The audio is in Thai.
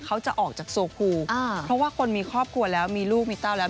เขาจะออกจากโซฟูอ่าเพราะว่าคนมีครอบครัวแล้วมีลูกมีเต้าแล้ว